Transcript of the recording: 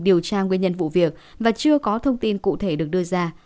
điều tra nguyên nhân vụ việc và chưa có thông tin cụ thể được đưa ra